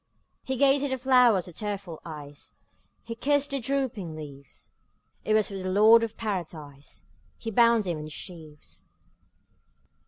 '' He gazed at the flowers with tearful eyes, He kissed their drooping leaves; It was for the Lord of Paradise He bound them in his sheaves.